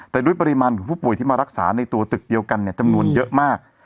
แต่ด้วยปริมาณของผู้ป่วยที่มารักษาในตัวตึกเดียวกันจำนวนเยอะมาก